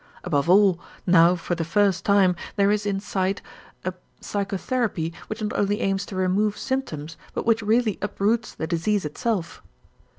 Above all, now for the first time there is in sight a psychotherapy which not only aims to remove symptoms but which really uproots the disease itself.